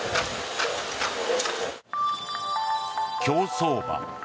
競走馬。